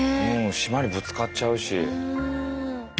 島にぶつかっちゃうし。